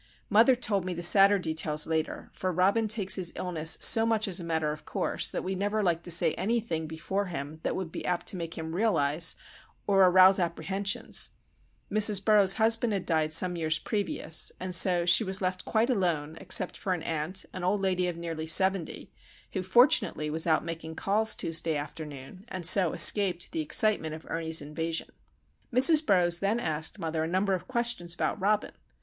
Mother told me the sadder details later, for Robin takes his illness so much as a matter of course that we never like to say anything before him that would be apt to make him realise, or arouse apprehensions. Mrs. Burroughs' husband had died some years previous, and so she was left quite alone, except for an aunt, an old lady of nearly seventy, who fortunately was out making calls Tuesday afternoon, and so escaped the excitement of Ernie's invasion. Mrs. Burroughs then asked mother a number of questions about Robin.